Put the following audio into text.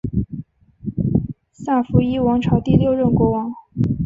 萨伏伊王朝第六任国王。